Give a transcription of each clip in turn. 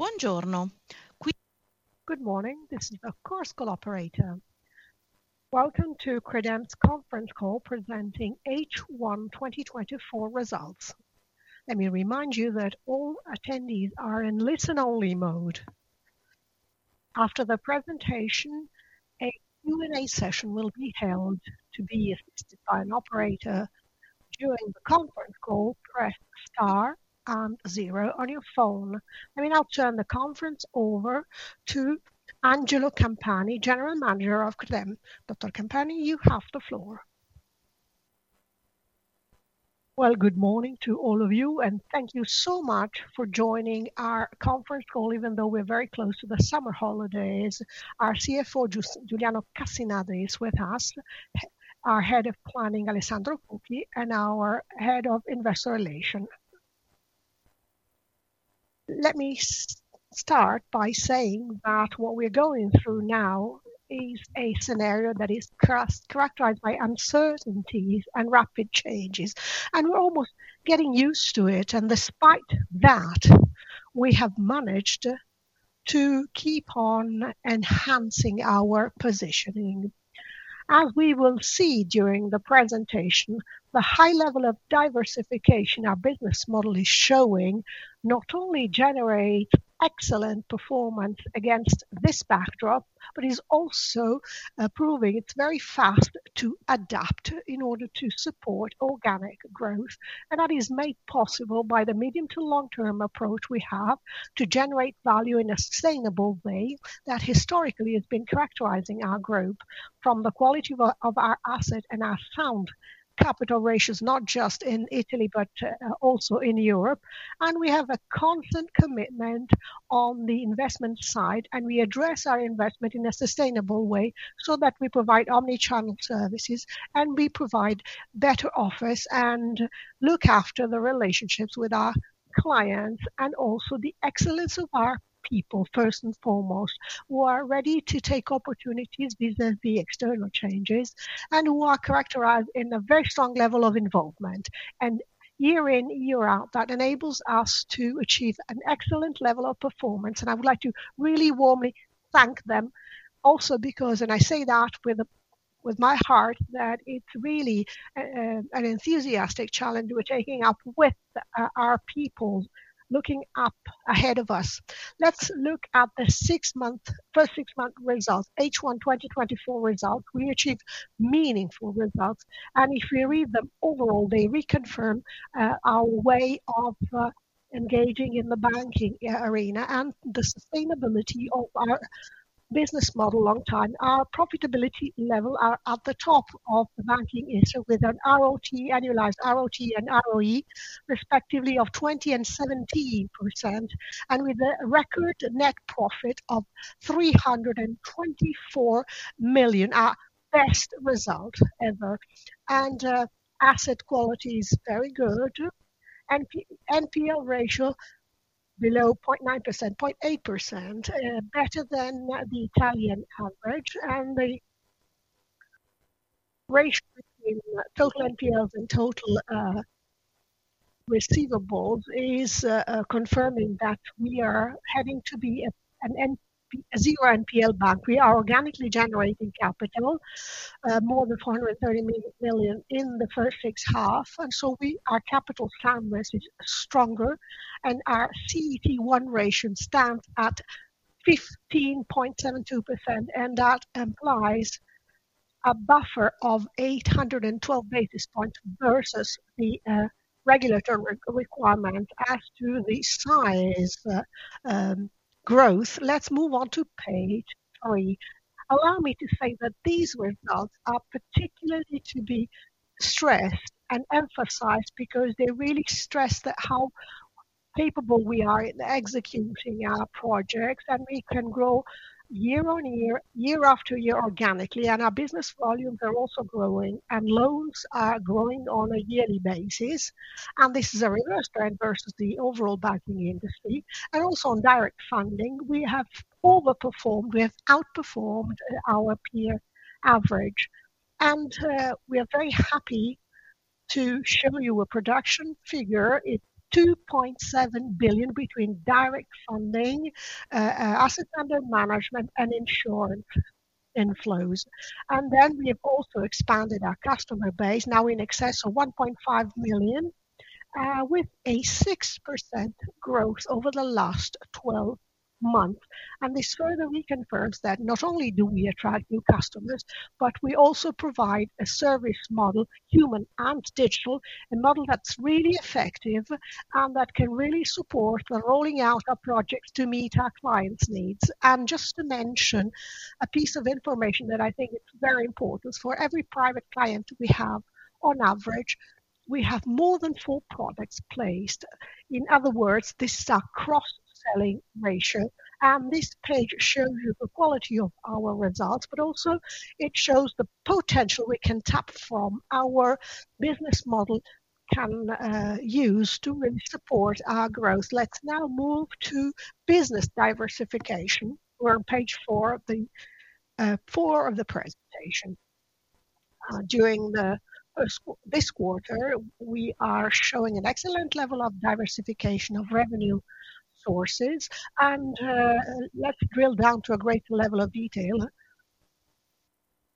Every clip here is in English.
Good morning, this is your conference operator. Welcome to Credem conference call, presenting H1 2024 results. Let me remind you that all attendees are in listen-only mode. After the presentation, a Q&A session will be held. To be assisted by an operator during the conference call, press star and zero on your phone. I mean, I'll turn the conference over to Angelo Campani, General Manager of Credem. Dr. Campani, you have the floor. Well, good morning to all of you, and thank you so much for joining our conference call, even though we're very close to the summer holidays. Our CFO, Giuliano Casinadri, is with us, our Head of Planning, Alessandro Cucchi, and our Head of Investor Relations. Let me start by saying that what we're going through now is a scenario that is characterized by uncertainties and rapid changes, and we're almost getting used to it. And despite that, we have managed to keep on enhancing our positioning. As we will see during the presentation, the high level of diversification our business model is showing not only generates excellent performance against this backdrop, but is also proving it's very fast to adapt in order to support organic growth. And that is made possible by the medium to long-term approach we have to generate value in a sustainable way that historically has been characterizing our group from the quality of our assets and our sound capital ratios, not just in Italy, but also in Europe. And we have a constant commitment on the investment side, and we address our investment in a sustainable way so that we provide omnichannel services, and we provide better offers and look after the relationships with our clients, and also the excellence of our people, first and foremost, who are ready to take opportunities vis-à-vis external changes, and who are characterized in a very strong level of involvement. And year in, year out, that enables us to achieve an excellent level of performance. And I would like to really warmly thank them also because, and I say that with my heart, that it's really an enthusiastic challenge we're taking up with our people looking up ahead of us. Let's look at the first six-month results, H1 2024 results. We achieved meaningful results, and if we read them overall, they reconfirm our way of engaging in the banking arena and the sustainability of our business model long-term. Our profitability level is at the top of the banking industry with an annualized ROT and ROE, respectively, of 20% and 17%, and with a record net profit of 324 million, our best result ever. Asset quality is very good. NPL ratio below 0.9%, 0.8%, better than the Italian average. The ratio between total NPLs and total receivables is confirming that we are heading to be a zero NPL bank. We are organically generating capital, more than 430 million in the first six halves. So our capital standards are stronger, and our CET1 ratio stands at 15.72%, and that implies a buffer of 812 basis points versus the regulatory requirements as to the size growth. Let's move on to page three. Allow me to say that these results are particularly to be stressed and emphasized because they really stress how capable we are in executing our projects, and we can grow year on year, year after year, organically. Our business volumes are also growing, and loans are growing on a yearly basis. This is a reverse trend versus the overall banking industry. Also on direct funding, we have overperformed. We have outperformed our peer average. We are very happy to show you a production figure. It's 2.7 billion between direct funding, asset under management, and insurance inflows. Then we have also expanded our customer base, now in excess of 1.5 million, with a 6% growth over the last 12 months. This further reconfirms that not only do we attract new customers, but we also provide a service model, human and digital, a model that's really effective and that can really support the rolling out of projects to meet our clients' needs. Just to mention a piece of information that I think is very important for every private client we have, on average, we have more than four products placed. In other words, this is our cross-selling ratio. This page shows you the quality of our results, but also it shows the potential we can tap from our business model can use to really support our growth. Let's now move to business diversification. We're on page four of the presentation. During this quarter, we are showing an excellent level of diversification of revenue sources. And let's drill down to a greater level of detail,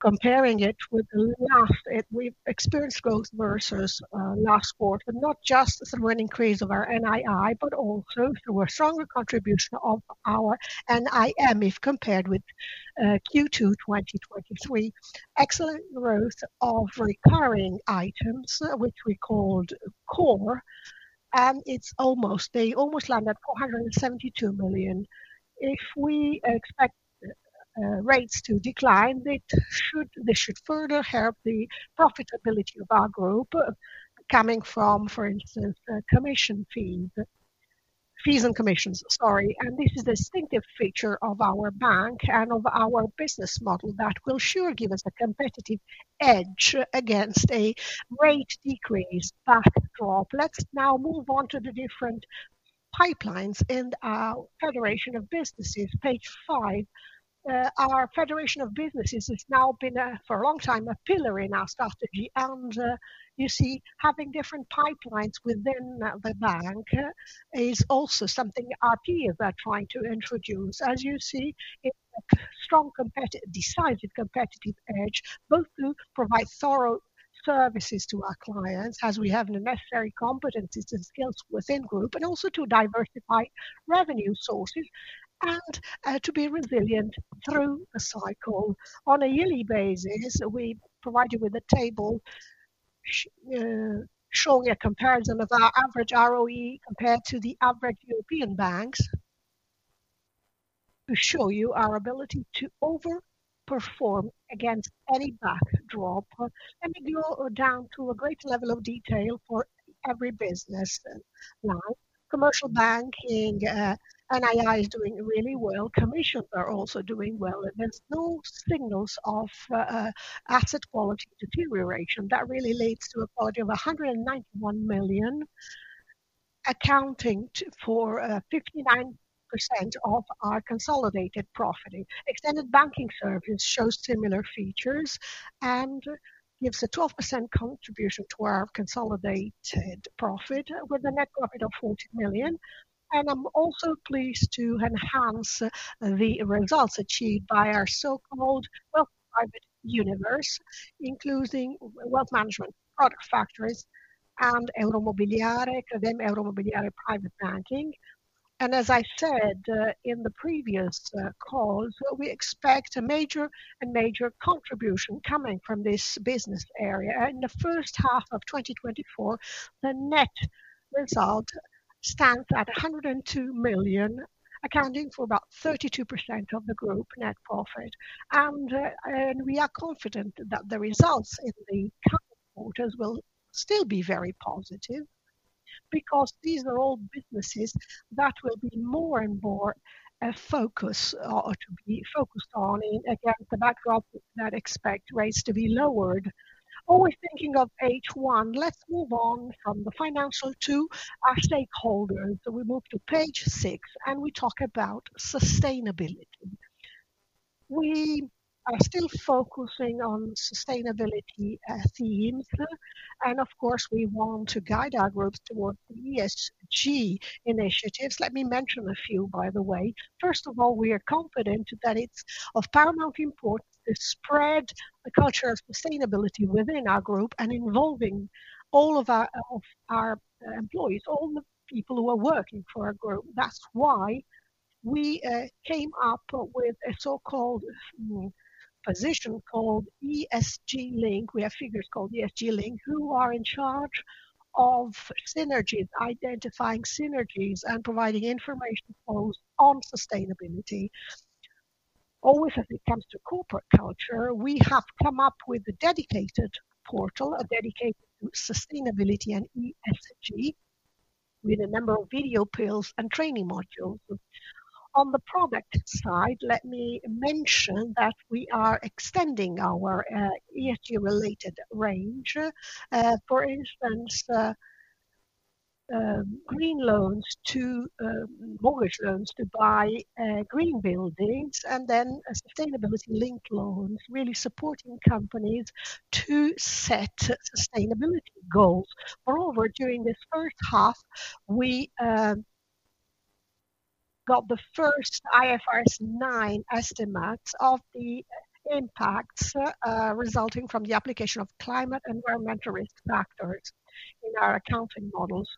comparing it with the last experienced growth versus last quarter, not just through an increase of our NII, but also through a stronger contribution of our NIM if compared with Q2 2023. Excellent growth of recurring items, which we called core. And they almost land at 472 million. If we expect rates to decline, this should further help the profitability of our group coming from, for instance, commission fees and commissions. Sorry. And this is a distinctive feature of our bank and of our business model that will sure give us a competitive edge against a rate decrease backdrop. Let's now move on to the different pipelines in our federation of businesses. Page five, our federation of businesses has now been, for a long time, a pillar in our strategy. And you see, having different pipelines within the bank is also something our peers are trying to introduce. As you see, it's a strong decisive competitive edge, both to provide thorough services to our clients as we have the necessary competencies and skills within the group, and also to diversify revenue sources and to be resilient through the cycle. On a yearly basis, we provide you with a table showing a comparison of our average ROE compared to the average European banks to show you our ability to overperform against any backdrop. We go down to a greater level of detail for every business. Now, commercial banking, NII is doing really well. Commissions are also doing well. There's no signs of asset quality deterioration. That really leads to profitability of 191 million, accounting for 59% of our consolidated profit. Extended banking service shows similar features and gives a 12% contribution to our consolidated profit with a net profit of 40 million. And I'm also pleased to enhance the results achieved by our so-called wealth private universe, including wealth management product factories and Euromobiliare, Credem Euromobiliare Private Banking. And as I said in the previous calls, we expect a major contribution coming from this business area. In the first half of 2024, the net result stands at 102 million, accounting for about 32% of the group net profit. And we are confident that the results in the coming quarters will still be very positive because these are all businesses that will be more and more a focus to be focused on against the backdrop that expect rates to be lowered. Always thinking of H1, let's move on from the financial to our stakeholders. So we move to page six, and we talk about sustainability. We are still focusing on sustainability themes. And of course, we want to guide our growth towards the ESG initiatives. Let me mention a few, by the way. First of all, we are confident that it's of paramount importance to spread the culture of sustainability within our group and involving all of our employees, all the people who are working for our group. That's why we came up with a so-called position called ESG Link. We have figures called ESG Link who are in charge of identifying synergies and providing information flows on sustainability. Always, as it comes to corporate culture, we have come up with a dedicated portal, a dedicated sustainability and ESG, with a number of video pills and training modules. On the product side, let me mention that we are extending our ESG-related range, for instance, green loans to mortgage loans to buy green buildings, and then sustainability-linked loans, really supporting companies to set sustainability goals. Moreover, during this first half, we got the first IFRS 9 estimates of the impacts resulting from the application of climate and environmental risk factors in our accounting models.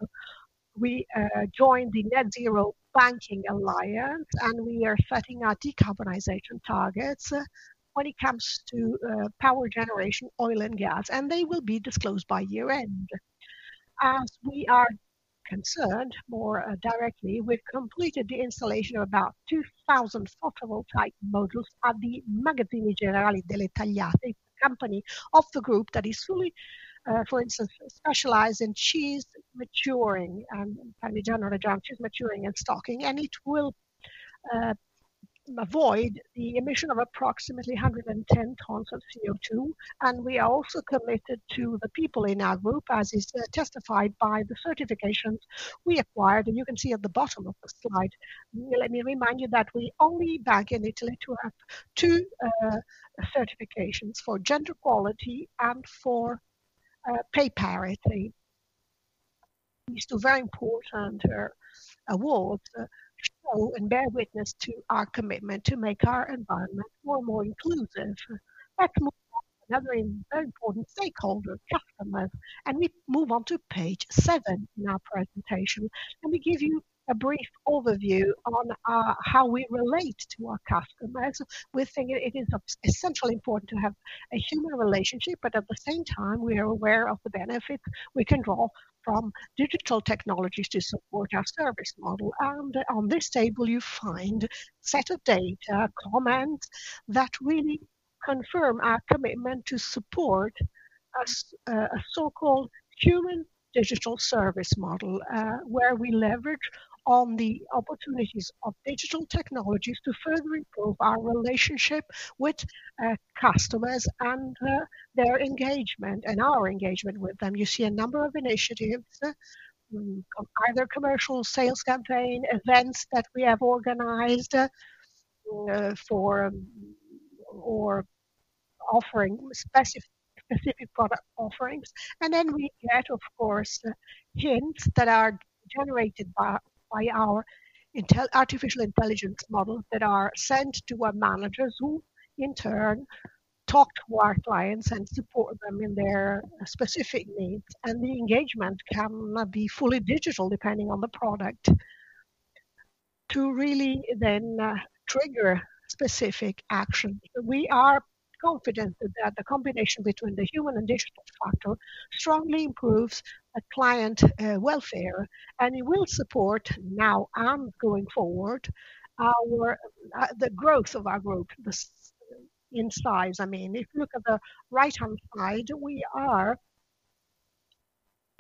We joined the Net Zero Banking Alliance, and we are setting our decarbonization targets when it comes to power generation, oil, and gas, and they will be disclosed by year-end. As we are concerned more directly, we've completed the installation of about 2,000 photovoltaic modules at the Magazzini Generali delle Tagliate, the company of the group that is fully, for instance, specialized in cheese maturing and Parmigiano Reggiano cheese maturing and stocking. It will avoid the emission of approximately 110 tons of CO2. We are also committed to the people in our group, as is testified by the certifications we acquired. You can see at the bottom of the slide, let me remind you that we're the only bank in Italy to have two certifications for gender equality and for pay parity. These two very important awards show and bear witness to our commitment to make our environment more and more inclusive. Let's move on to another very important stakeholder, customers. We move on to page seven in our presentation. We give you a brief overview on how we relate to our customers. We think it is essentially important to have a human relationship, but at the same time, we are aware of the benefits we can draw from digital technologies to support our service model. On this table, you find a set of data comments that really confirm our commitment to support a so-called human-digital service model, where we leverage on the opportunities of digital technologies to further improve our relationship with customers and their engagement and our engagement with them. You see a number of initiatives, either commercial sales campaign events that we have organized or offering specific product offerings. And then we get, of course, hints that are generated by our artificial intelligence models that are sent to our managers who, in turn, talk to our clients and support them in their specific needs. The engagement can be fully digital, depending on the product, to really then trigger specific actions. We are confident that the combination between the human and digital factor strongly improves client welfare, and it will support, now and going forward, the growth of our group in size. I mean, if you look at the right-hand side, we are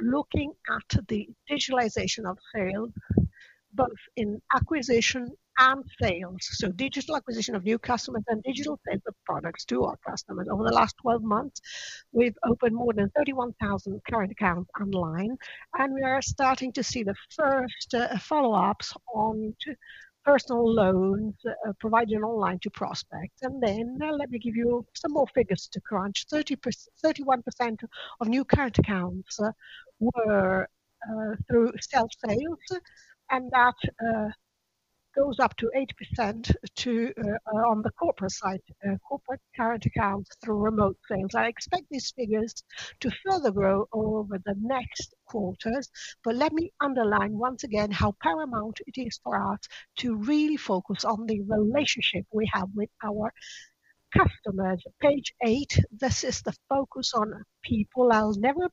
looking at the digitalization of sales, both in acquisition and sales. So digital acquisition of new customers and digital sales of products to our customers. Over the last 12 months, we've opened more than 31,000 current accounts online, and we are starting to see the first follow-ups on personal loans provided online to prospects. And then let me give you some more figures to crunch. 31% of new current accounts were through self-sales, and that goes up to 8% on the corporate side, corporate current accounts through remote sales. I expect these figures to further grow over the next quarters. But let me underline once again how paramount it is for us to really focus on the relationship we have with our customers. Page eight, this is the focus on people. I'll never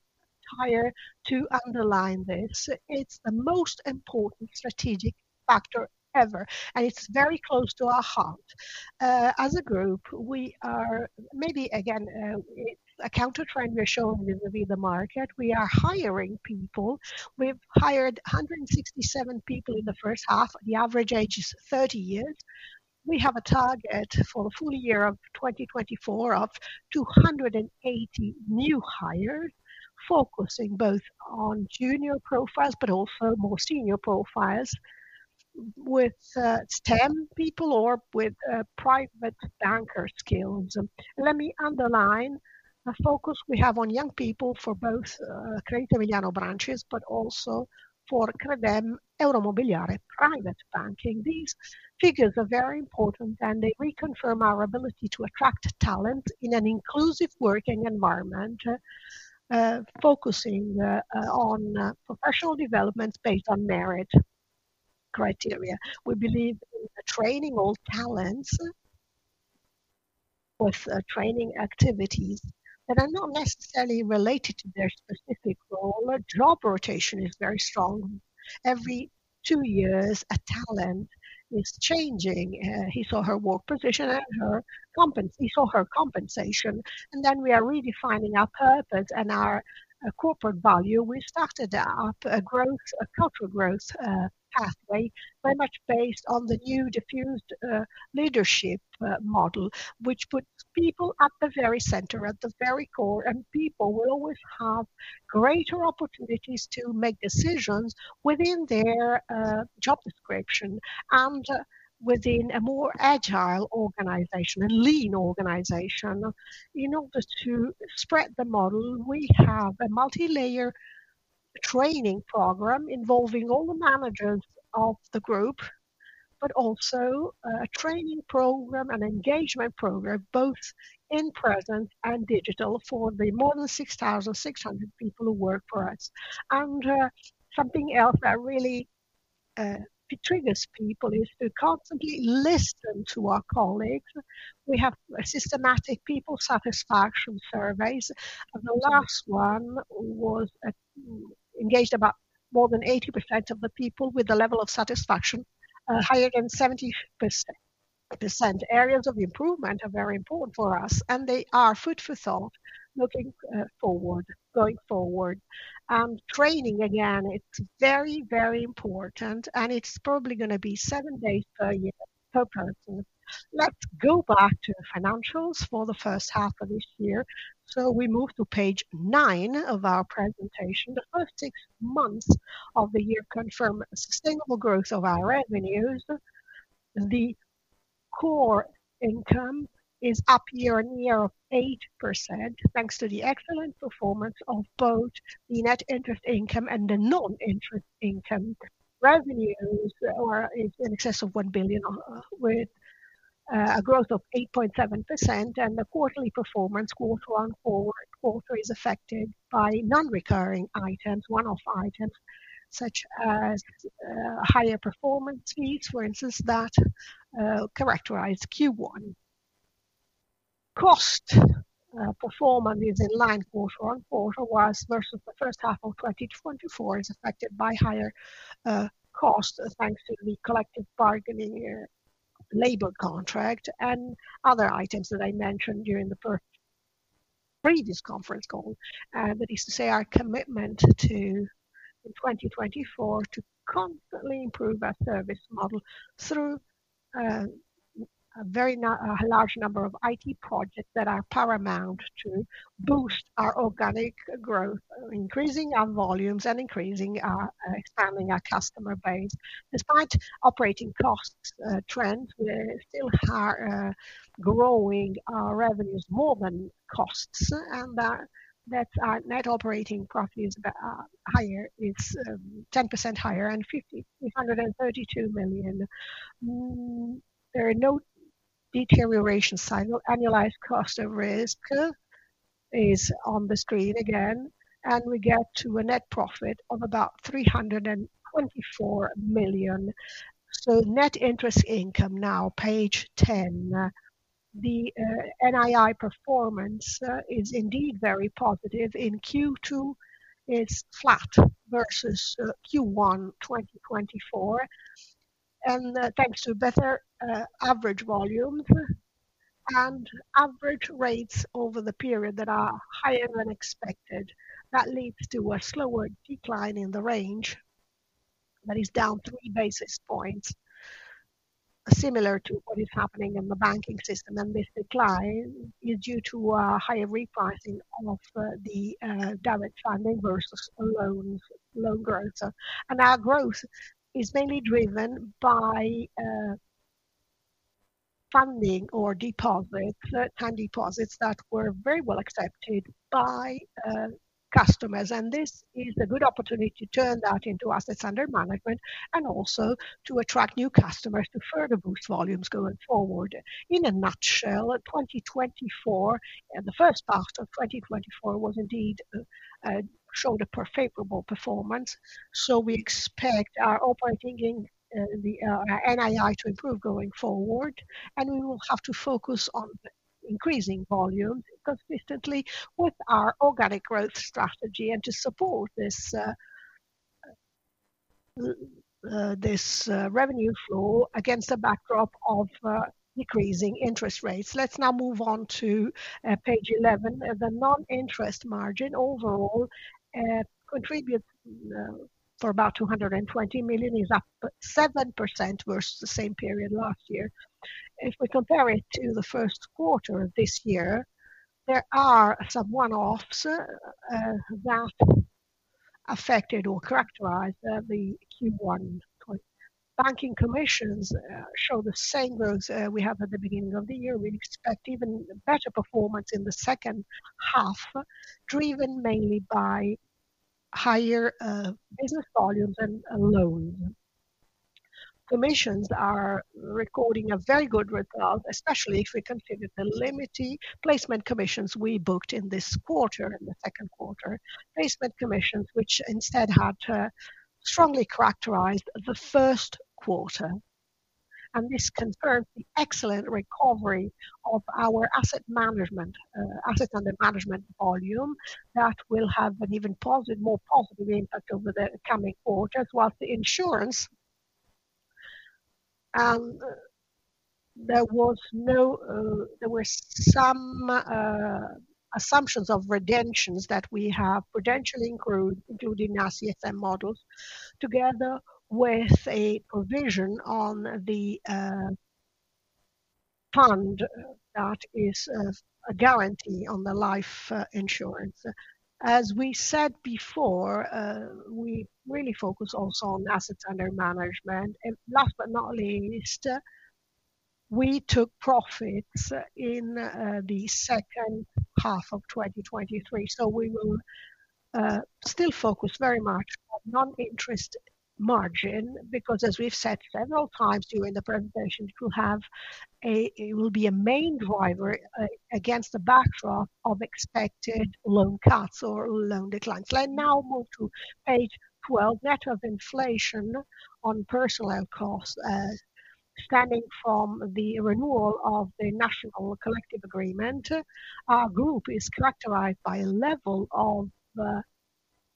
tire to underline this. It's the most important strategic factor ever, and it's very close to our heart. As a group, we are maybe, again, a countertrend we're showing with the market. We are hiring people. We've hired 167 people in the first half. The average age is 30 years. We have a target for the full year of 2024 of 280 new hires, focusing both on junior profiles, but also more senior profiles with STEM people or with private banker skills. Let me underline the focus we have on young people for both Credito Emiliano branches, but also for Credem Euromobiliare Private Banking. These figures are very important, and they reconfirm our ability to attract talent in an inclusive working environment, focusing on professional development based on merit criteria. We believe in training all talents with training activities that are not necessarily related to their specific role. Job rotation is very strong. Every two years, a talent is changing his or her work position and his or her compensation. And then we are redefining our purpose and our corporate value. We started up a cultural growth pathway very much based on the new diffused leadership model, which puts people at the very center, at the very core. And people will always have greater opportunities to make decisions within their job description and within a more agile organization and lean organization. In order to spread the model, we have a multi-layer training program involving all the managers of the group, but also a training program and engagement program, both in-person and digital, for the more than 6,600 people who work for us. And something else that really triggers people is to constantly listen to our colleagues. We have systematic people satisfaction surveys. The last one engaged about more than 80% of the people with the level of satisfaction higher than 70%. Areas of improvement are very important for us, and they are food for thought, looking forward, going forward. Training, again, it's very, very important, and it's probably going to be seven days per year per person. Let's go back to financials for the first half of this year. We move to page nine of our presentation. The first six months of the year confirm sustainable growth of our revenues. The core income is up year-on-year of 8%, thanks to the excellent performance of both the net interest income and the non-interest income. Revenues are in excess of 1 billion, with a growth of 8.7%, and the quarterly performance quarter one, quarter two, and quarter three is affected by non-recurring items, one-off items, such as higher performance needs, for instance, that characterize Q1. Cost performance is in line quarter on quarter versus the first half of 2024 is affected by higher costs, thanks to the collective bargaining labor contract and other items that I mentioned during the previous conference call. That is to say, our commitment in 2024 to constantly improve our service model through a very large number of IT projects that are paramount to boost our organic growth, increasing our volumes and increasing our expanding our customer base. Despite operating cost trends, we still are growing our revenues more than costs, and that net operating profit is higher, is 10% higher and 332 million. There are no deterioration signs. Annualized cost of risk is on the screen again, and we get to a net profit of about 324 million. So net interest income now, page 10, the NII performance is indeed very positive. In Q2, it's flat versus Q1 2024. And thanks to better average volumes and average rates over the period that are higher than expected, that leads to a slower decline in the range that is down 3 basis points, similar to what is happening in the banking system. And this decline is due to higher repricing of the direct funding versus loan growth. And our growth is mainly driven by funding or deposits, time deposits that were very well accepted by customers. And this is a good opportunity to turn that into assets under management and also to attract new customers to further boost volumes going forward. In a nutshell, 2024, the first half of 2024 was indeed showed a favorable performance. So we expect our operating NII to improve going forward, and we will have to focus on increasing volume consistently with our organic growth strategy and to support this revenue flow against the backdrop of decreasing interest rates. Let's now move on to page 11. The non-interest margin overall contributes for about 220 million, is up 7% versus the same period last year. If we compare it to the first quarter of this year, there are some one-offs that affected or characterized the Q1. Banking commissions show the same growth we have at the beginning of the year. We expect even better performance in the second half, driven mainly by higher business volumes and loans. Commissions are recording a very good result, especially if we consider the limited placement commissions we booked in this quarter, in the second quarter, placement commissions, which instead had strongly characterized the first quarter. This confirms the excellent recovery of our asset management, assets under management volume that will have an even more positive impact over the coming quarters, while the insurance. There were some assumptions of redemptions that we have potentially included in our CSM models, together with a provision on the fund that is a guarantee on the life insurance. As we said before, we really focus also on assets under management. Last but not least, we took profits in the second half of 2023. So we will still focus very much on non-interest margin because, as we've said several times during the presentation, it will be a main driver against the backdrop of expected loan cuts or loan declines. Let's now move to page 12, net of inflation on personnel costs, stemming from the renewal of the national collective agreement. Our group is characterized by a level of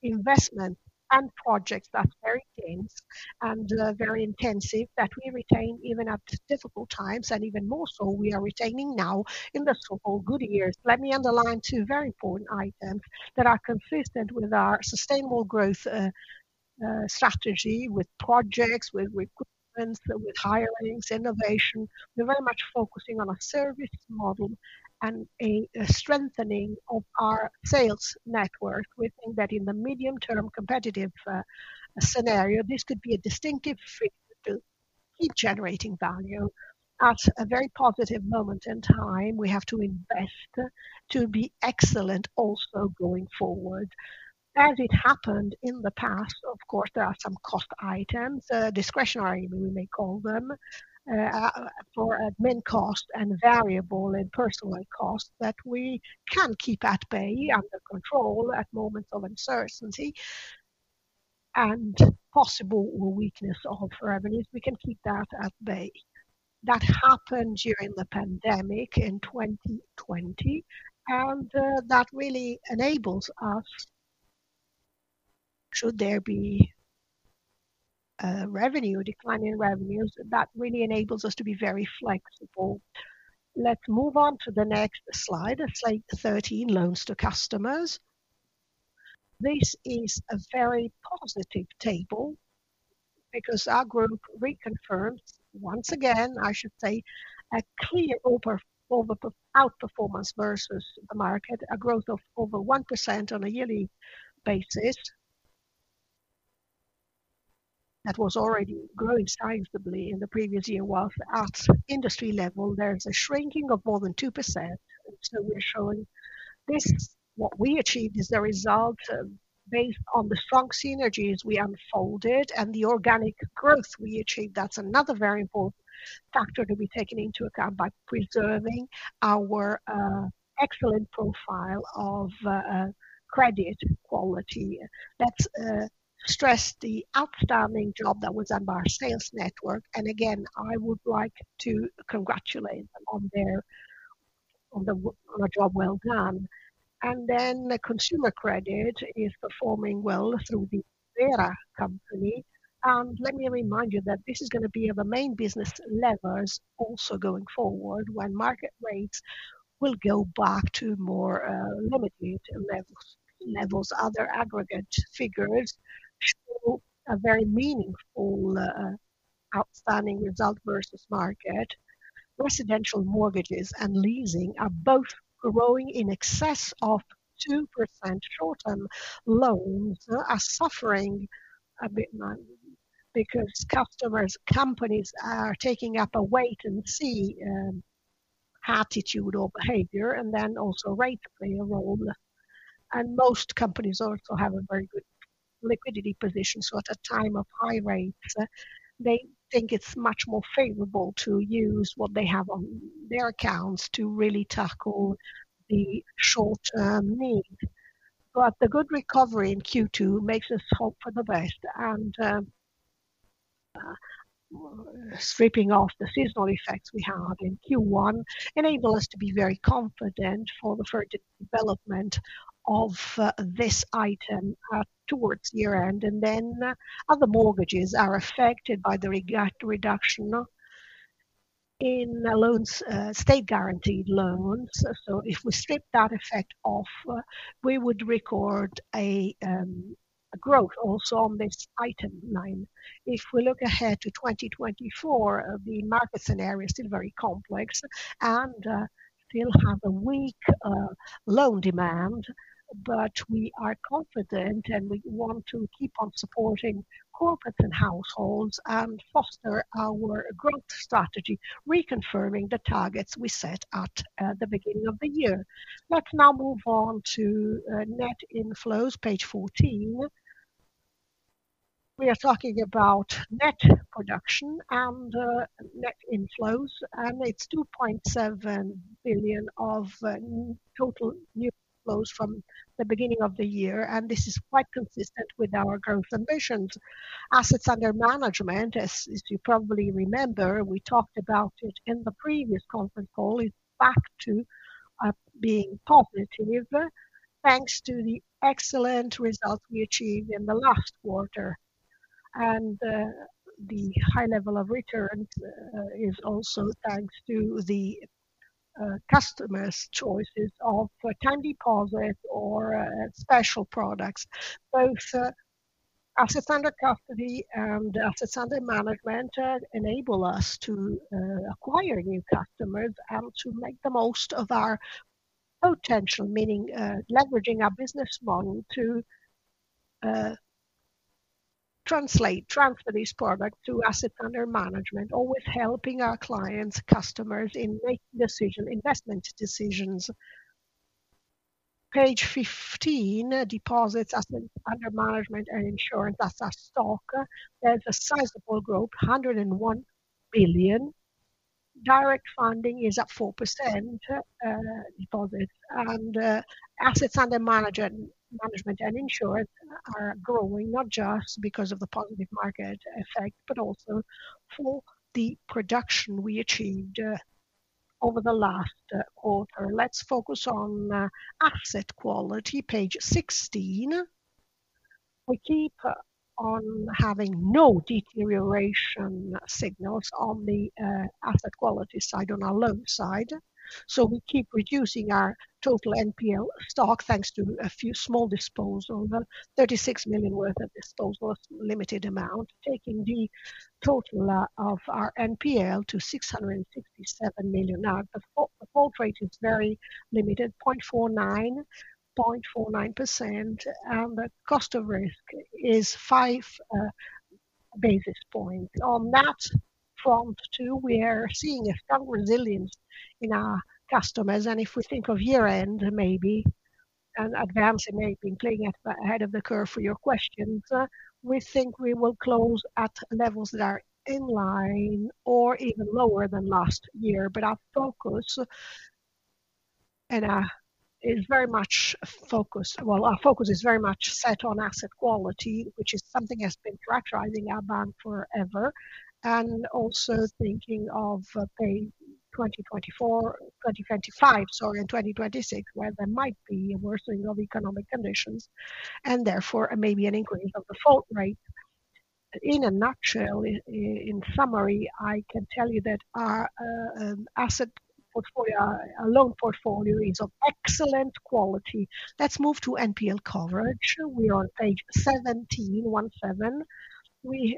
investment and projects that's very dense and very intensive that we retain even at difficult times, and even more so we are retaining now in the so-called good years. Let me underline two very important items that are consistent with our sustainable growth strategy, with projects, with recruitments, with hirings, innovation. We're very much focusing on a service model and a strengthening of our sales network. We think that in the medium-term competitive scenario, this could be a distinctive feature to keep generating value. At a very positive moment in time, we have to invest to be excellent also going forward. As it happened in the past, of course, there are some cost items, discretionary we may call them, for admin costs and variable and personnel costs that we can keep at bay under control at moments of uncertainty and possible weakness of revenues. We can keep that at bay. That happened during the pandemic in 2020, and that really enables us, should there be revenue, declining revenues, that really enables us to be very flexible. Let's move on to the next slide, slide 13, loans to customers. This is a very positive table because our group reconfirmed, once again, I should say, a clear outperformance versus the market, a growth of over 1% on a yearly basis. That was already growing sizably in the previous year, while at industry level, there's a shrinking of more than 2%. So we're showing this. What we achieved is the result based on the strong synergies we unfolded and the organic growth we achieved. That's another very important factor to be taken into account by preserving our excellent profile of credit quality. Let's stress the outstanding job that was done by our sales network. And again, I would like to congratulate them on the job well done. And then consumer credit is performing well through the Avvera company. And let me remind you that this is going to be of the main business levers also going forward when market rates will go back to more limited levels. Other aggregate figures show a very meaningful outstanding result versus market. Residential mortgages and leasing are both growing in excess of 2%. Short-term loans are suffering a bit because customers' companies are taking up a wait-and-see attitude or behavior, and then also rates play a role. Most companies also have a very good liquidity position. At a time of high rates, they think it's much more favorable to use what they have on their accounts to really tackle the short-term need. The good recovery in Q2 makes us hope for the best. Stripping off the seasonal effects we had in Q1 enables us to be very confident for the further development of this item towards year-end. Other mortgages are affected by the reduction in state-guaranteed loans. If we strip that effect off, we would record a growth also on this item line. If we look ahead to 2024, the market scenario is still very complex and still has a weak loan demand, but we are confident and we want to keep on supporting corporates and households and foster our growth strategy, reconfirming the targets we set at the beginning of the year. Let's now move on to net inflows, page 14. We are talking about net production and net inflows, and it's 2.7 billion of total new inflows from the beginning of the year, and this is quite consistent with our growth ambitions. Assets under management, as you probably remember, we talked about it in the previous conference call, is back to being positive thanks to the excellent results we achieved in the last quarter. The high level of return is also thanks to the customers' choices of time deposit or special products. Both assets under custody and assets under management enable us to acquire new customers and to make the most of our potential, meaning leveraging our business model to translate, transfer these products to assets under management, always helping our clients, customers in making decisions, investment decisions. Page 15, deposits, assets under management and insurance, that's our stock. There's a sizable growth, 101 billion. Direct funding is at 4% deposits, and assets under management and insurance are growing not just because of the positive market effect, but also for the production we achieved over the last quarter. Let's focus on asset quality, page 16. We keep on having no deterioration signals on the asset quality side on our loan side. So we keep reducing our total NPL stock thanks to a few small disposals, 36 million worth of disposals, limited amount, taking the total of our NPL to 667 million. The fall rate is very limited, 0.49%, and the cost of risk is five basis points. On that front too, we are seeing a strong resilience in our customers. And if we think of year-end, maybe, and advancing maybe in playing ahead of the curve for your questions, we think we will close at levels that are in line or even lower than last year. But our focus is very much focused, well, our focus is very much set on asset quality, which is something that's been characterizing our bank forever. And also thinking of 2024, 2025, sorry, and 2026, where there might be a worsening of economic conditions and therefore maybe an increase of the fall rate. In a nutshell, in summary, I can tell you that our asset portfolio, our loan portfolio is of excellent quality. Let's move to NPL coverage. We are on page 17, 17.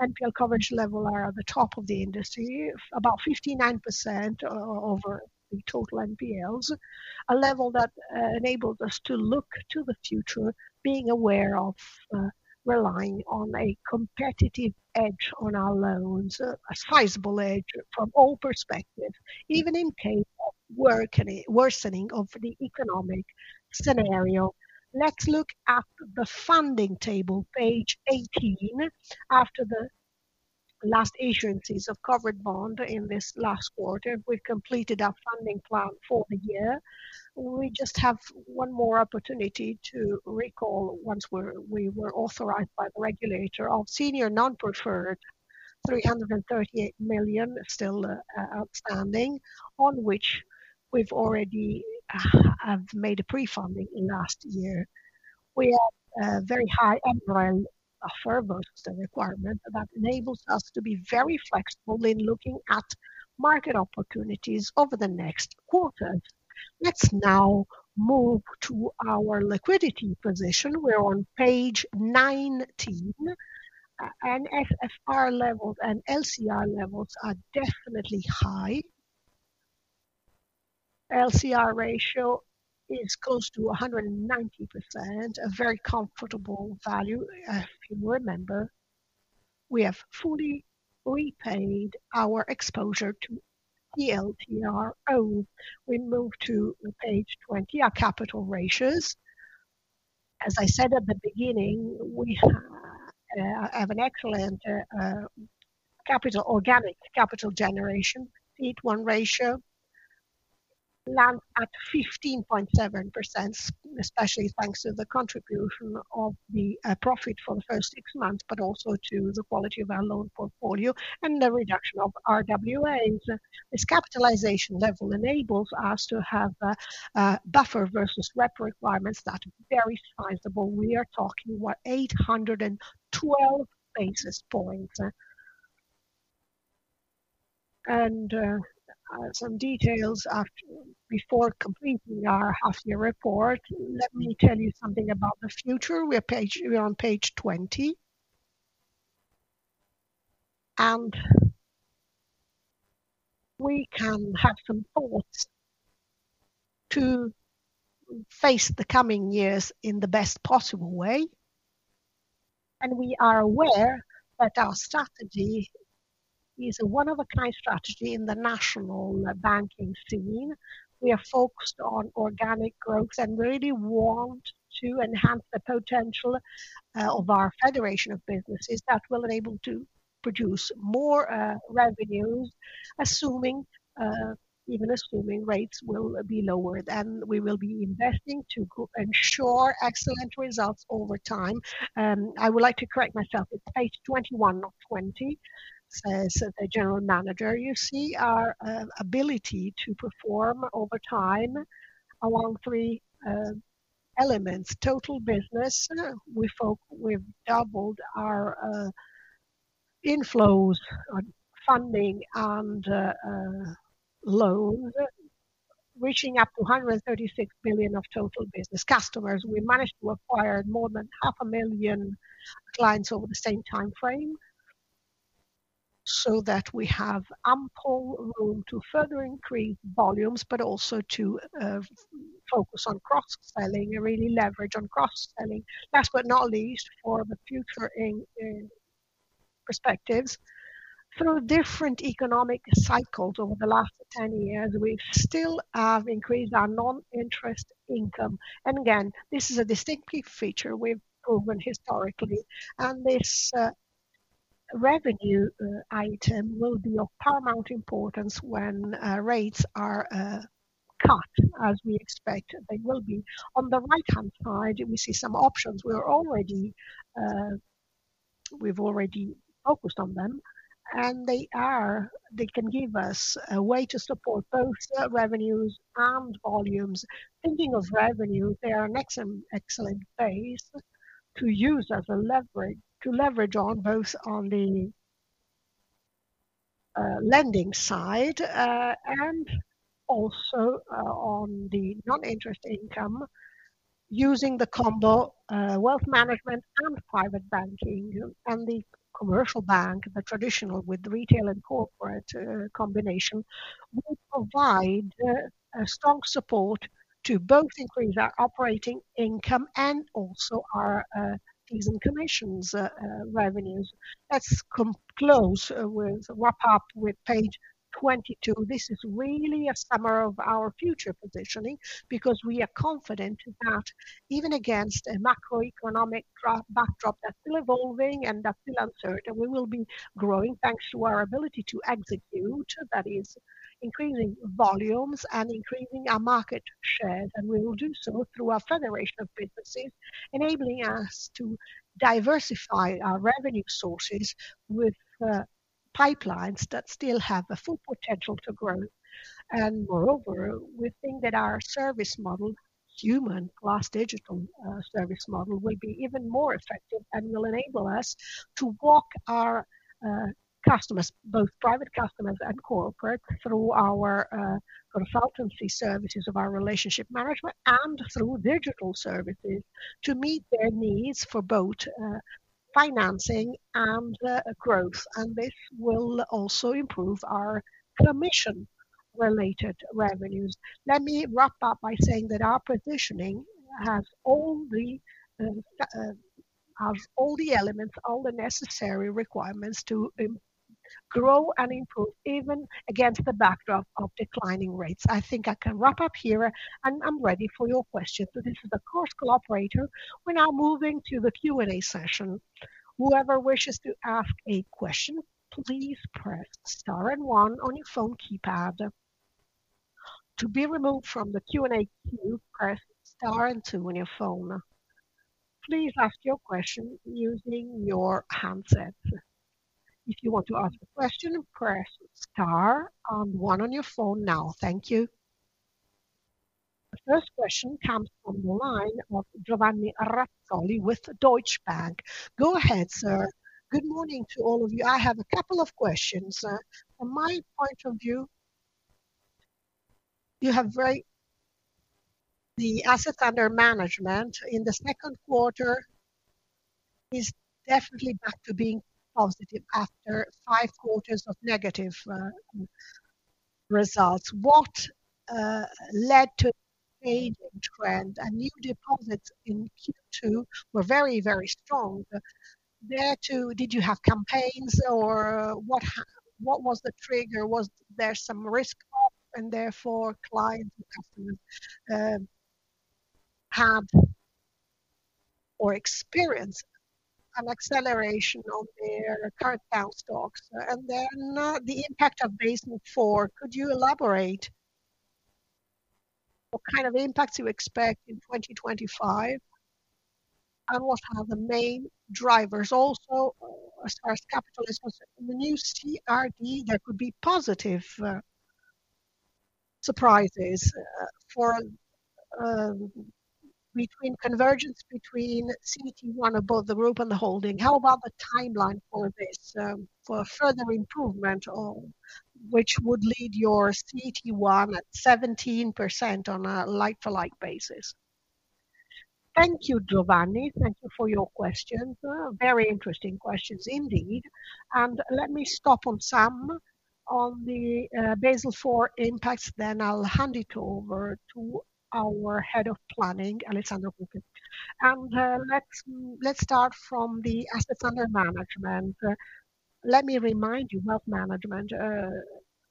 NPL coverage levels are at the top of the industry, about 59% over the total NPLs, a level that enables us to look to the future, being aware of relying on a competitive edge on our loans, a sizable edge from all perspectives, even in case of worsening of the economic scenario. Let's look at the funding table, page 18. After the last issuances of covered bond in this last quarter, we've completed our funding plan for the year. We just have one more opportunity to recall once we were authorized by the regulator of Senior Non-Preferred, 338 million, still outstanding, on which we've already made a pre-funding last year. We have a very high underlying buffer, versus the requirement that enables us to be very flexible in looking at market opportunities over the next quarter. Let's now move to our liquidity position. We're on page 19, and NSFR levels and LCR levels are definitely high. LCR ratio is close to 190%, a very comfortable value, if you remember. We have fully repaid our exposure to TLTRO. We move to page 20, our capital ratios. As I said at the beginning, we have an excellent organic capital generation, CET1 ratio stands at 15.7%, especially thanks to the contribution of the profit for the first six months, but also to the quality of our loan portfolio and the reduction of RWAs. This capitalization level enables us to have buffer versus reg requirements that are very sizable. We are talking about 812 basis points. Some details before completing our half-year report. Let me tell you something about the future. We're on page 20. We can have some thoughts to face the coming years in the best possible way. We are aware that our strategy is a one-of-a-kind strategy in the national banking scene. We are focused on organic growth and really want to enhance the potential of our federation of businesses that will enable to produce more revenues, even assuming rates will be lower. We will be investing to ensure excellent results over time. I would like to correct myself. It's page 21, not 20, says the general manager. You see our ability to perform over time along three elements: total business. We've doubled our inflows on funding and loans, reaching up to 136 billion of total business customers. We managed to acquire more than 500,000 clients over the same timeframe so that we have ample room to further increase volumes, but also to focus on cross-selling, really leverage on cross-selling. Last but not least, for the future perspectives, through different economic cycles over the last 10 years, we still have increased our non-interest income. Again, this is a distinctive feature we've proven historically. This revenue item will be of paramount importance when rates are cut, as we expect they will be. On the right-hand side, we see some options. We've already focused on them, and they can give us a way to support both revenues and volumes. Thinking of revenues, they are an excellent base to use as a leverage on both the lending side and also on the non-interest income, using the combo of wealth management and private banking. The commercial bank, the traditional with retail and corporate combination, will provide a strong support to both increase our operating income and also our fee and commission revenues. Let's close with a wrap-up with page 22. This is really a summary of our future positioning because we are confident that even against a macroeconomic backdrop that's still evolving and that's still uncertain, we will be growing thanks to our ability to execute, that is, increasing volumes and increasing our market share. And we will do so through our federation of businesses, enabling us to diversify our revenue sources with pipelines that still have a full potential to grow. And moreover, we think that our service model, human plus digital service model, will be even more effective and will enable us to walk our customers, both private customers and corporates, through our consultancy services of our relationship management and through digital services to meet their needs for both financing and growth. And this will also improve our commission-related revenues. Let me wrap up by saying that our positioning has all the elements, all the necessary requirements to grow and improve, even against the backdrop of declining rates. I think I can wrap up here, and I'm ready for your questions. This is the conference operator. We're now moving to the Q&A session. Whoever wishes to ask a question, please press star and one on your phone keypad. To be removed from the Q&A queue, press star and two on your phone. Please ask your question using your handset. If you want to ask a question, press star and one on your phone now. Thank you. The first question comes from the line of Giovanni Razzoli with Deutsche Bank. Go ahead, sir. Good morning to all of you. I have a couple of questions. From my point of view, you have the assets under management in the second quarter is definitely back to being positive after 5 quarters of negative results. What led to a change in trend? A new deposit in Q2 was very, very strong. There, too, did you have campaigns, or what was the trigger? Was there some risk off, and therefore clients and customers had or experienced an acceleration on their current balance stocks? And then the impact of Basel IV, could you elaborate? What kind of impacts do you expect in 2025? And what are the main drivers? Also, as far as capital is concerned, the new CRD, there could be positive surprises between convergence between CET1 above the group and the holding. How about the timeline for this for further improvement, which would lead your CET1 at 17% on a like-for-like basis? Thank you, Giovanni. Thank you for your questions. Very interesting questions indeed. And let me stop on some of the Basel IV impacts. Then I'll hand it over to our Head of Planning, Alessandro Cucchi. And let's start from the assets under management. Let me remind you, wealth management,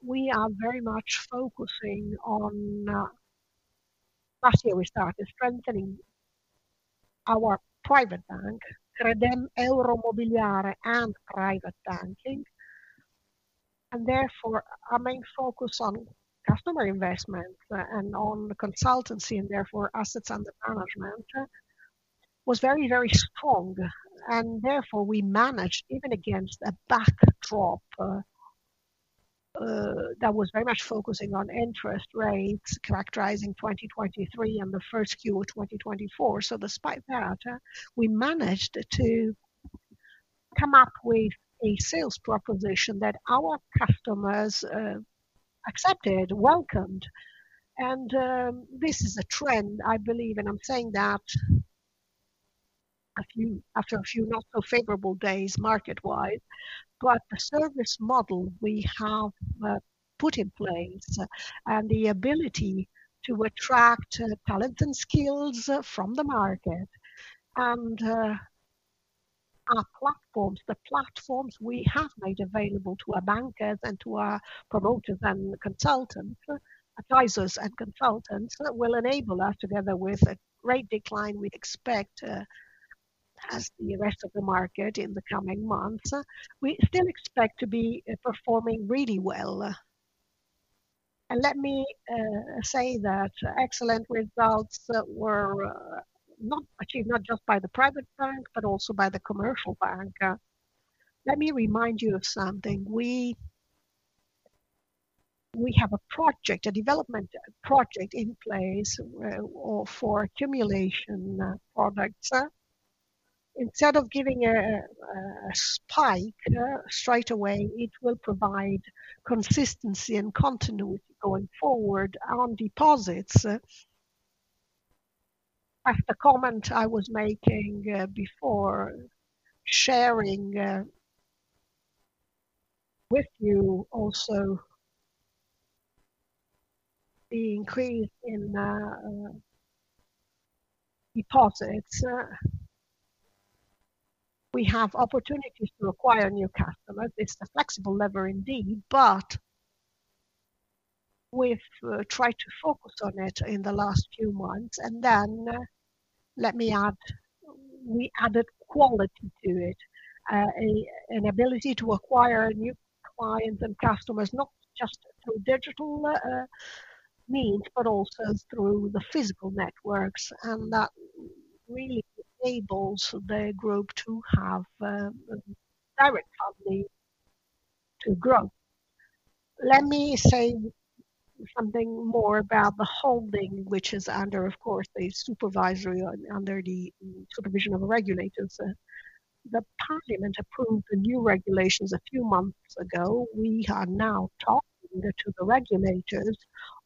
we are very much focusing on, last year we started strengthening our private bank, Credem Euromobiliare and private banking. And therefore, our main focus on customer investments and on consultancy, and therefore assets under management, was very, very strong. And therefore, we managed, even against a backdrop that was very much focusing on interest rates characterizing 2023 and the first Q of 2024. So despite that, we managed to come up with a sales proposition that our customers accepted, welcomed. And this is a trend, I believe, and I'm saying that after a few not-so-favorable days market-wise, but the service model we have put in place and the ability to attract talent and skills from the market and our platforms, the platforms we have made available to our bankers and to our promoters and consultants, advisors and consultants, will enable us, together with a great decline we expect as the rest of the market in the coming months, we still expect to be performing really well. And let me say that excellent results were not achieved not just by the private bank, but also by the commercial bank. Let me remind you of something. We have a project, a development project in place for accumulation products. Instead of giving a spike straight away, it will provide consistency and continuity going forward on deposits. The comment I was making before sharing with you also the increase in deposits. We have opportunities to acquire new customers. It's a flexible lever indeed, but we've tried to focus on it in the last few months. And then let me add, we added quality to it, an ability to acquire new clients and customers, not just through digital means, but also through the physical networks. And that really enables the group to have direct funding to grow. Let me say something more about the holding, which is under, of course, the supervision of the regulators. The Parliament approved the new regulations a few months ago. We are now talking to the regulators,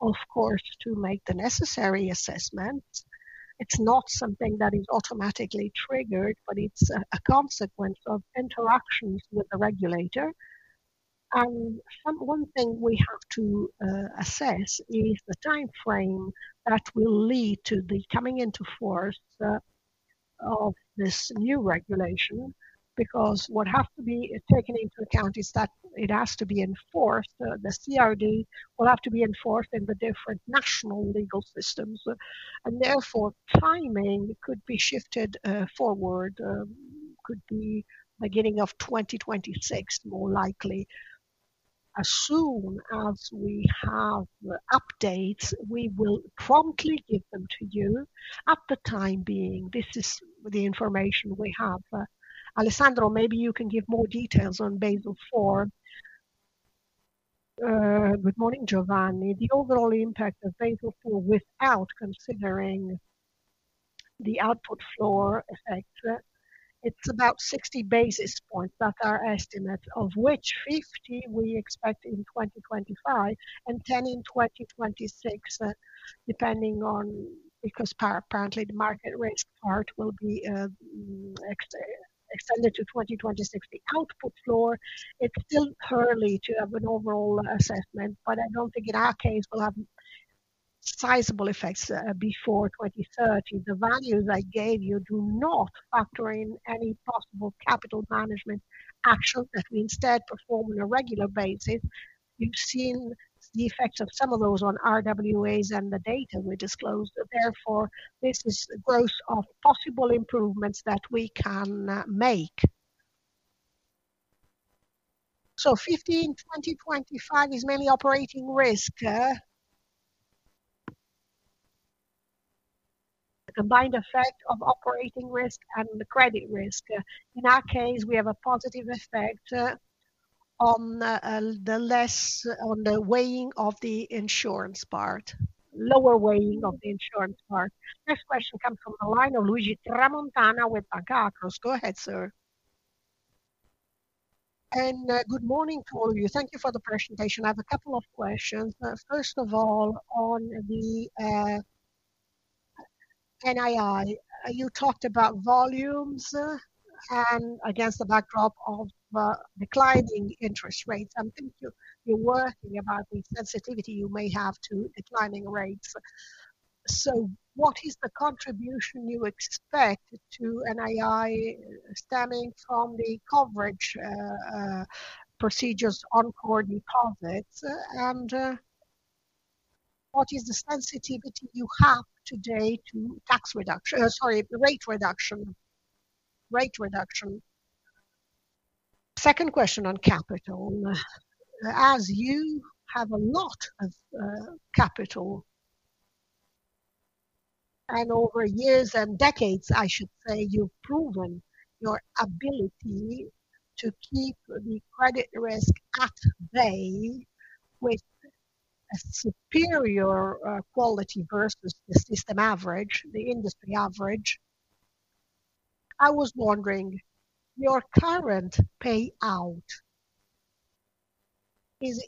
of course, to make the necessary assessments. It's not something that is automatically triggered, but it's a consequence of interactions with the regulator. One thing we have to assess is the timeframe that will lead to the coming into force of this new regulation, because what has to be taken into account is that it has to be enforced. The CRD will have to be enforced in the different national legal systems. And therefore, timing could be shifted forward, could be beginning of 2026, more likely. As soon as we have updates, we will promptly give them to you. At the time being, this is the information we have. Alessandro, maybe you can give more details on Basel IV. Good morning, Giovanni. The overall impact of Basel IV without considering the Output Floor effect, it's about 60 basis points. That's our estimate, of which 50 we expect in 2025 and 10 in 2026, depending on, because apparently the market risk part will be extended to 2026. The output floor, it's still early to have an overall assessment, but I don't think in our case we'll have sizable effects before 2030. The values I gave you do not factor in any possible capital management actions that we instead perform on a regular basis. You've seen the effects of some of those on RWAs and the data we disclosed. Therefore, this is the growth of possible improvements that we can make. So 15, 2025 is mainly operating risk. The combined effect of operating risk and the credit risk. In our case, we have a positive effect on the weighting of the insurance part, lower weighting of the insurance part. This question comes from Luigi Tramontana with Banca Akros. Go ahead, sir. Good morning to all of you. Thank you for the presentation. I have a couple of questions. First of all, on the NII, you talked about volumes and against the backdrop of declining interest rates. I'm thinking you're wondering about the sensitivity you may have to declining rates. So what is the contribution you expect to NII stemming from the coverage procedures on core deposits? And what is the sensitivity you have today to tax reduction? Sorry, rate reduction. Second question on capital. As you have a lot of capital and over years and decades, I should say, you've proven your ability to keep the credit risk at bay with a superior quality versus the system average, the industry average. I was wondering, your current payout is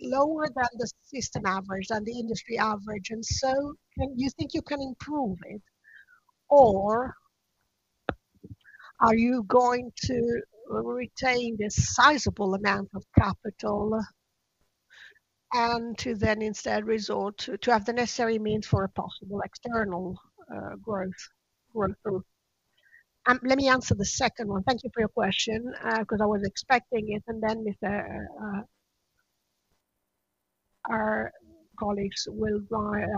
lower than the system average and the industry average. So do you think you can improve it, or are you going to retain this sizable amount of capital and to then instead resort to have the necessary means for a possible external growth? Let me answer the second one. Thank you for your question because I was expecting it. Then our colleagues will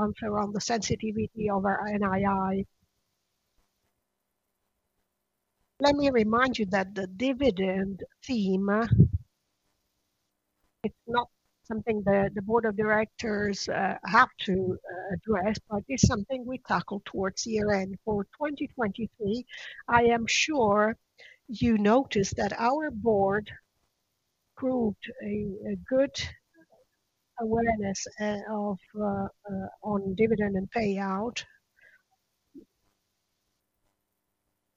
answer on the sensitivity of our NII. Let me remind you that the dividend theme, it's not something the board of directors have to address, but it's something we tackle towards year-end for 2023. I am sure you noticed that our board proved a good awareness on dividend and payout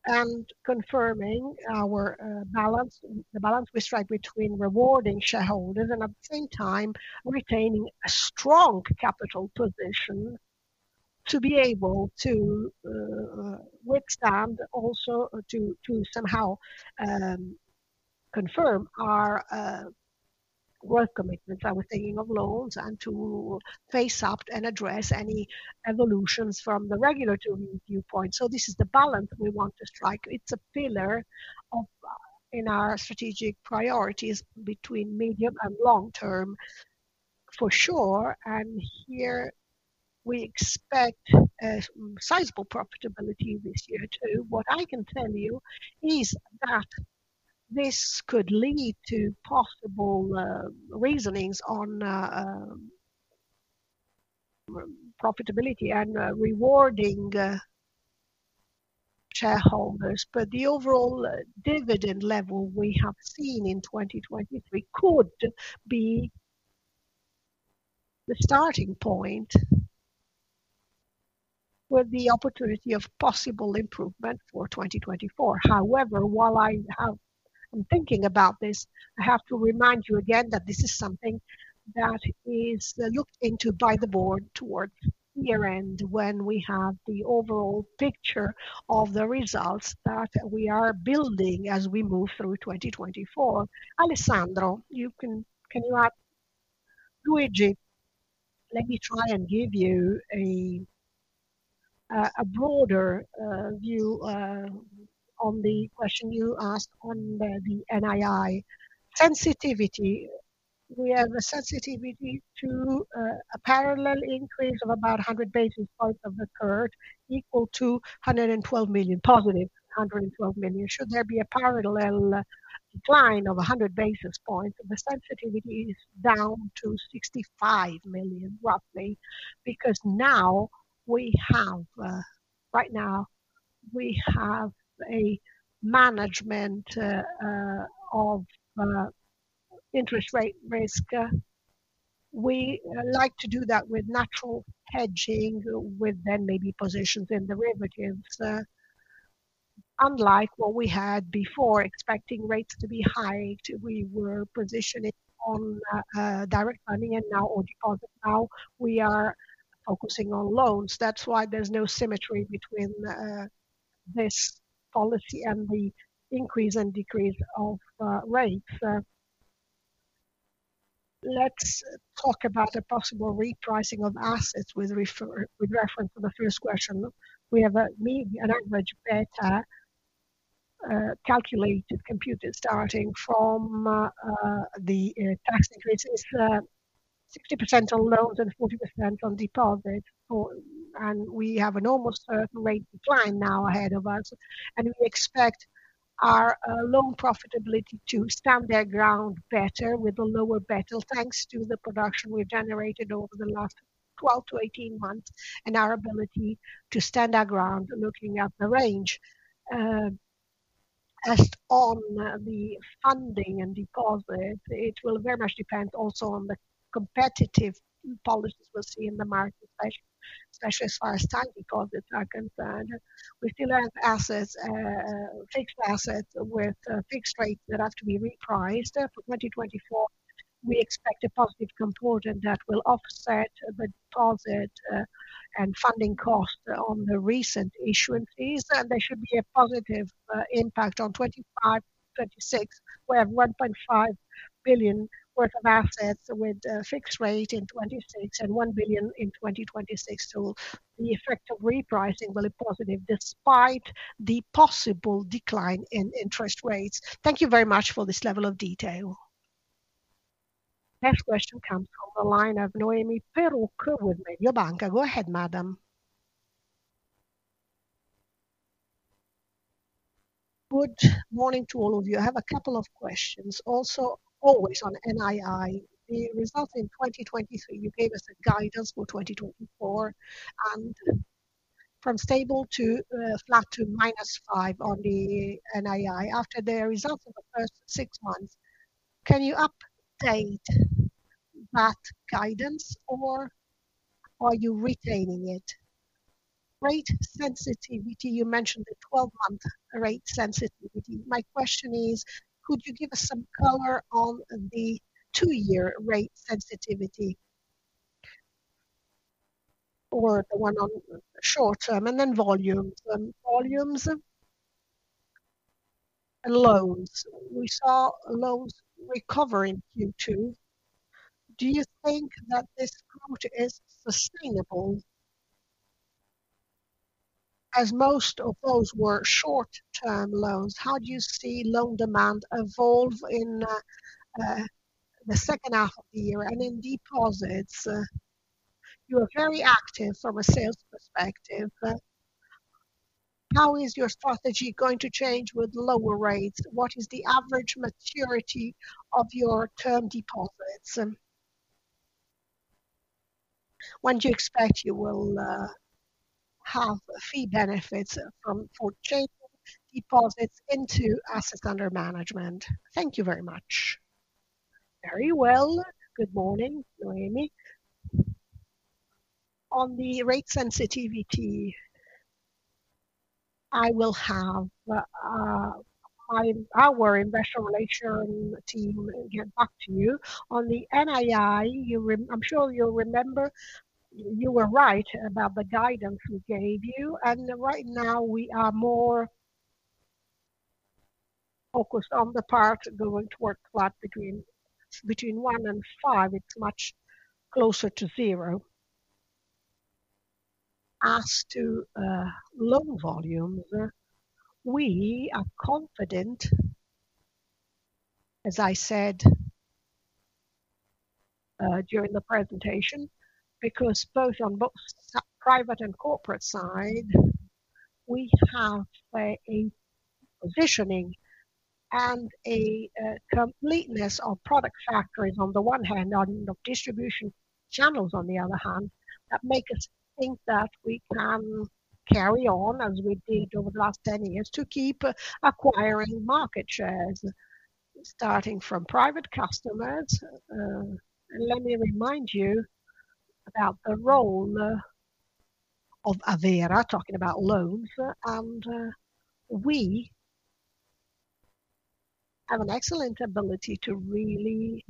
and confirming the balance we strike between rewarding shareholders and at the same time retaining a strong capital position to be able to withstand, also to somehow confirm our growth commitments. I was thinking of loans and to face up and address any evolutions from the regulatory viewpoint. So this is the balance we want to strike. It's a pillar in our strategic priorities between medium and long term, for sure. And here we expect sizable profitability this year too. What I can tell you is that this could lead to possible reasonings on profitability and rewarding shareholders. But the overall dividend level we have seen in 2023 could be the starting point with the opportunity of possible improvement for 2024. However, while I'm thinking about this, I have to remind you again that this is something that is looked into by the board towards year-end when we have the overall picture of the results that we are building as we move through 2024. Alessandro, can you add? Luigi, let me try and give you a broader view on the question you asked on the NII. Sensitivity. We have a sensitivity to a parallel increase of about 100 basis points of the curve equal to 112 million, positive 112 million. Should there be a parallel decline of 100 basis points, the sensitivity is down to 65 million roughly because now we have, right now, we have a management of interest rate risk. We like to do that with natural hedging with then maybe positions in derivatives. Unlike what we had before, expecting rates to be high, we were positioning on direct money and now or deposit. Now we are focusing on loans. That's why there's no symmetry between this policy and the increase and decrease of rates. Let's talk about the possible repricing of assets with reference to the first question. We have an average better calculated, computed starting from the tax increases, 60% on loans and 40% on deposits. We have an almost certain rate decline now ahead of us. We expect our loan profitability to stand their ground better with a lower better thanks to the production we've generated over the last 12-18 months and our ability to stand our ground looking at the range. As on the funding and deposit, it will very much depend also on the competitive policies we'll see in the market, especially as far as time because it's our concern. We still have assets, fixed assets with fixed rates that have to be repriced for 2024. We expect a positive component that will offset the deposit and funding cost on the recent issuances. There should be a positive impact on 2025, 2026. We have 1.5 billion worth of assets with fixed rate in 2026 and 1 billion in 2026. So the effect of repricing will be positive despite the possible decline in interest rates. Thank you very much for this level of detail. Next question comes from the line of Noemi Peruch with Mediobanca. Go ahead, madam. Good morning to all of you. I have a couple of questions. Also, always on NII, the results in 2023, you gave us a guidance for 2024 and from stable to flat to -5% on the NII after the results of the first six months. Can you update that guidance or are you retaining it? Rate sensitivity, you mentioned the 12-month rate sensitivity. My question is, could you give us some color on the two-year rate sensitivity or the one on short term and then volumes and loans? We saw loans recovering Q2. Do you think that this growth is sustainable? As most of those were short-term loans, how do you see loan demand evolve in the second half of the year and in deposits? You are very active from a sales perspective. How is your strategy going to change with lower rates? What is the average maturity of your term deposits? When do you expect you will have fee benefits for changing deposits into assets under management? Thank you very much. Very well. Good morning, Noemi. On the rate sensitivity, I will have our investor relation team get back to you. On the NII, I'm sure you'll remember you were right about the guidance we gave you. Right now, we are more focused on the part going towards flat between one and five. It's much closer to zero. As to loan volumes, we are confident, as I said during the presentation, because both on both private and corporate side, we have a positioning and a completeness of product factories on the one hand, on distribution channels on the other hand, that make us think that we can carry on as we did over the last 10 years to keep acquiring market shares starting from private customers. Let me remind you about the role of Avvera talking about loans. We have an excellent ability to really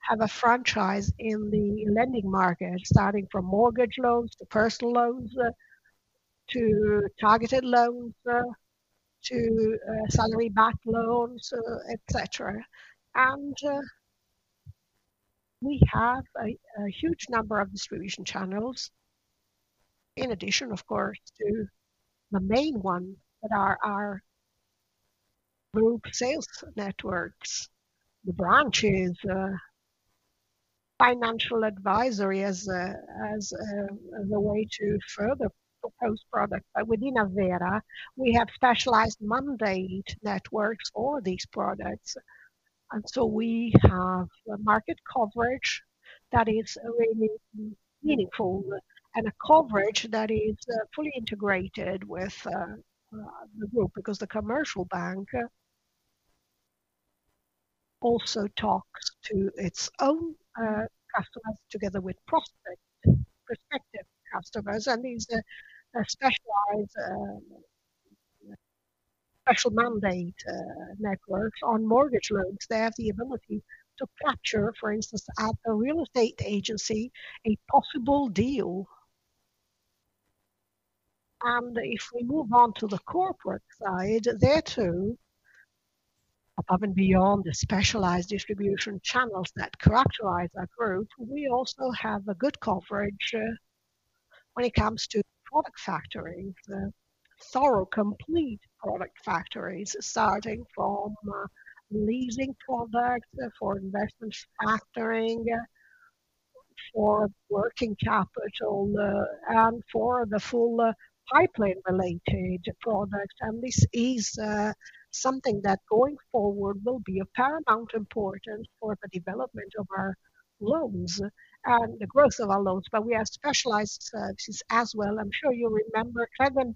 have a franchise in the lending market, starting from mortgage loans to personal loans to targeted loans to salary-backed loans, etc. We have a huge number of distribution channels, in addition, of course, to the main ones that are our group sales networks, the branches, financial advisory as a way to further propose products. Within Avvera, we have specialized mandate networks for these products. So we have market coverage that is really meaningful and a coverage that is fully integrated with the group because the commercial bank also talks to its own customers together with prospective customers. These specialized mandate networks on mortgage loans, they have the ability to capture, for instance, at a real estate agency, a possible deal. If we move on to the corporate side, there too, above and beyond the specialized distribution channels that characterize our group, we also have a good coverage when it comes to product factories, thorough complete product factories, starting from leasing products for investment, factoring for working capital, and for the full pipeline-related products. This is something that going forward will be of paramount importance for the development of our loans and the growth of our loans. But we have specialized services as well. I'm sure you remember Credemtel,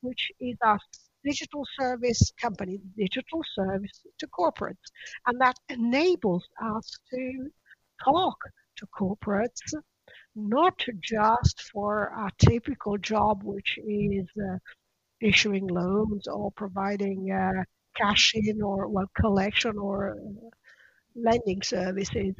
which is our digital service company, digital service to corporates. And that enables us to talk to corporates, not just for our typical job, which is issuing loans or providing cash in or collection or lending services.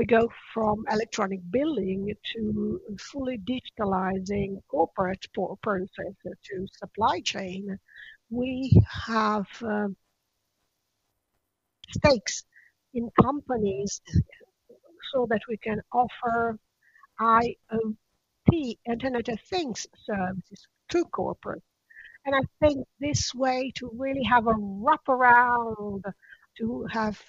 We go from electronic billing to fully digitalizing corporate processes to supply chain. We have stakes in companies so that we can offer IoT, Internet of Things services to corporates. And I think this way to really have a wraparound, to have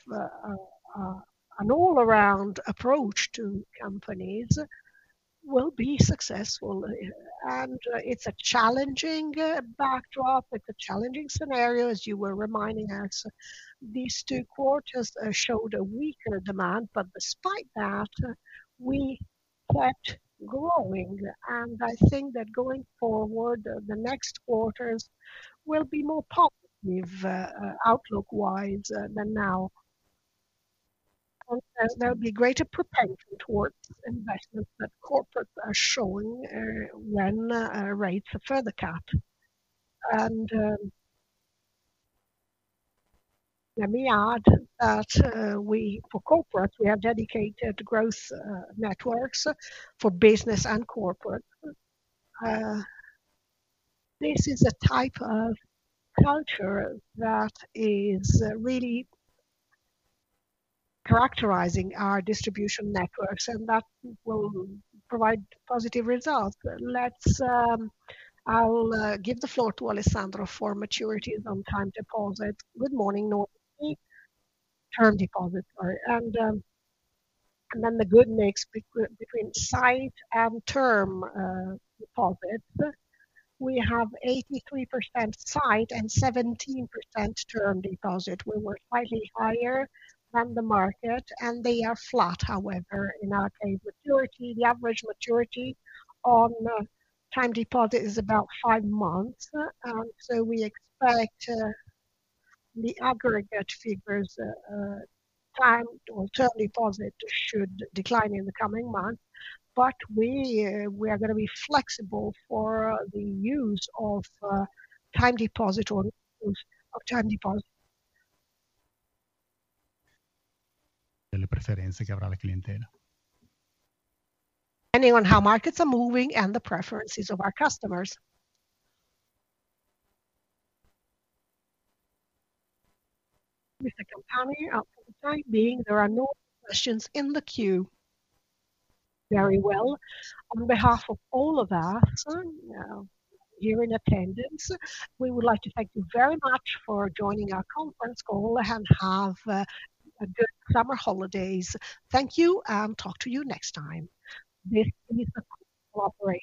an all-around approach to companies will be successful. And it's a challenging backdrop. It's a challenging scenario, as you were reminding us. These two quarters showed a weaker demand. But despite that, we kept growing. And I think that going forward, the next quarters will be more positive outlook-wise than now. And there'll be greater propensity towards investments that corporates are showing when rates are further cut. And let me add that for corporates, we have dedicated growth networks for business and corporate. This is a type of culture that is really characterizing our distribution networks, and that will provide positive results. I'll give the floor to Alessandro for maturities on time deposits. Good morning, Noemi. Term deposits. And then the good mix between sight and term deposits. We have 83% sight and 17% term deposit. We were slightly higher than the market, and they are flat, however. In our case, maturity, the average maturity on time deposit is about five months. And so we expect the aggregate figures, time or term deposit should decline in the coming months. But we are going to be flexible for the use of time deposit or term deposits. Delle preferenze che avrà la clientela. Depending on how markets are moving and the preferences of our customers. Mr. Campani, for the time being, there are no questions in the queue. Very well. On behalf of all of us here in attendance, we would like to thank you very much for joining our conference call and have a good summer holidays. Thank you, and talk to you next time. This is a cooperative.